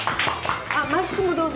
あっマスクもどうぞ。